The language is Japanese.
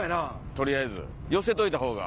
取りあえず寄せといたほうが。